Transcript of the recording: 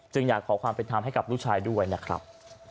อยากขอความเป็นธรรมให้กับลูกชายด้วยนะครับ